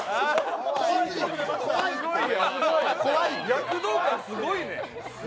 躍動感すごいね。